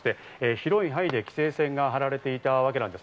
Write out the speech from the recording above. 広い範囲で規制線が張られていたわけです。